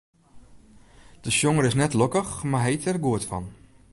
De sjonger is net lokkich, mar hy yt der goed fan.